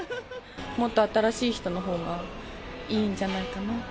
もっと新しい人のほうがいいんじゃないかなと。